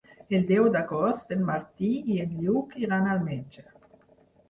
El deu d'agost en Martí i en Lluc iran al metge.